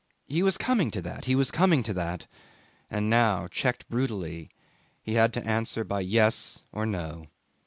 He was coming to that, he was coming to that and now, checked brutally, he had to answer by yes or no.